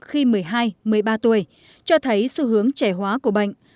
khi một mươi hai một mươi ba tuổi cho thấy xu hướng trẻ hóa của bệnh